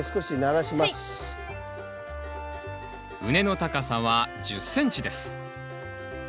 畝の高さは１０ｃｍです。